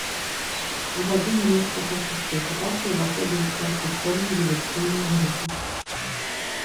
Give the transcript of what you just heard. У гады нямецка-фашысцкай акупацыі ўваходзіў у склад падпольнай дыверсійнай групы.